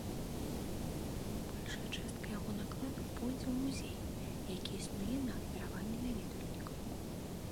Большая частка яго накладу пойдзе ў музей, які існуе на ахвяраванні наведвальнікаў.